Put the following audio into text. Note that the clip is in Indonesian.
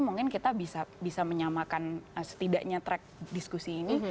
mungkin kita bisa menyamakan setidaknya track diskusi ini